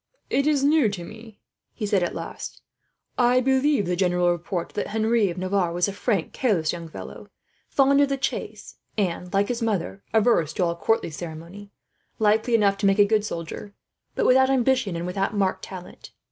"It is new to me," he said at last. "I believed the general report that Henry of Navarre was a frank, careless young fellow, fond of the chase, and, like his mother, averse to all court ceremony; likely enough to make a good soldier, but without ambition, and without marked talent.